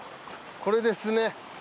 これですね。